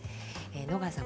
野川さん